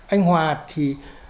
anh hòa thì